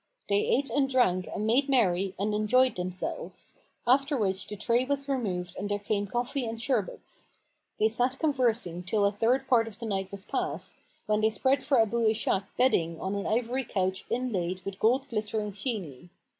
They ate and drank and made merry and enjoyed themselves; after which the tray was removed and there came coffee and sherbets. They sat conversing till a third part of the night was past, when they spread for Abu Ishak bedding on an ivory couch inlaid with gold glittering sheeny.